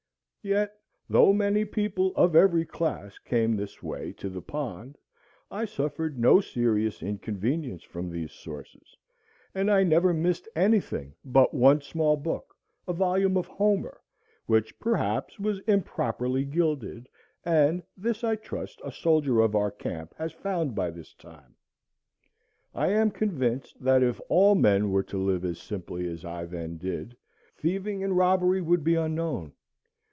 Yet, though many people of every class came this way to the pond, I suffered no serious inconvenience from these sources, and I never missed anything but one small book, a volume of Homer, which perhaps was improperly gilded, and this I trust a soldier of our camp has found by this time. I am convinced, that if all men were to live as simply as I then did, thieving and robbery would be unknown.